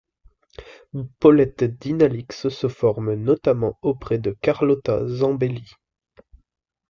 Paulette Dynalix se forme notamment auprès de Carlotta Zambelli.